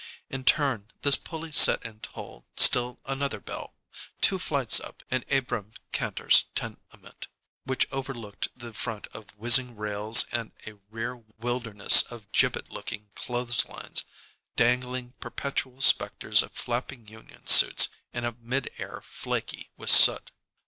In turn, this pulley set in toll still another bell, two flights up in Abrahm Kantor's tenement, which overlooked the front of whizzing rails and a rear wilderness of gibbet looking clothes lines, dangling perpetual specters of flapping union suits in a mid air flaky with soot.